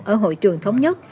ở hội trường thống nhất